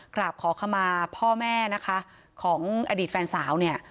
กราบขอขมาพ่อแม่นะคะของอดีตแฟนสาวเนี่ย